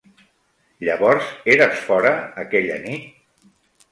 Llavors, eres fora aquella nit?